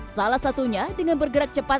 salah satunya dengan bergerak cepat